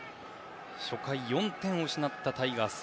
初回、４点を失ったタイガース。